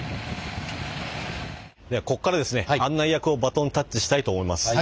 ではここからですね案内役をバトンタッチしたいと思います。